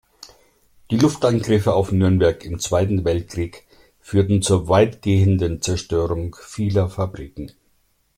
Die Luftangriffe auf Nürnberg im Zweiten Weltkrieg führten zur weitgehenden Zerstörung vieler Fabriken.